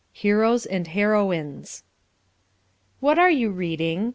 2. Heroes and Heroines "What are you reading?"